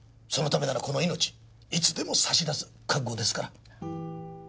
そのためならこの命いつでも差し出す覚悟ですから。